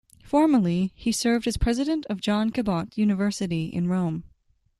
Formerly, he served as president of John Cabot University in Rome.